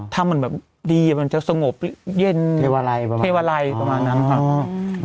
ทำเหมือนแบบดีมันจะสงบเย็นเทวาไรประมาณนั้นครับ